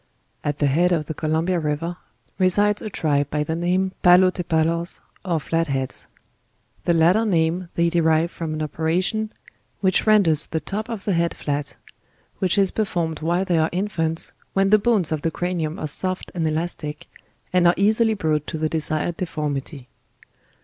At the head of the Columbia river, resides a tribe by the name Pallotepallors or Flat Heads; the latter name they de rive from an operation, which renders the top of the head flat; which is performed while they are infants, when the bones of the cranium are soft and elastiej and are easily brought to the desired deformity.